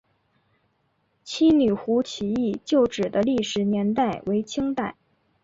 七女湖起义旧址的历史年代为清代。